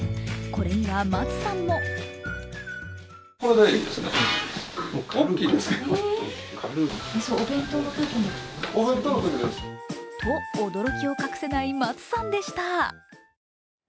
これには松さんもと驚きを隠せない松さんでした。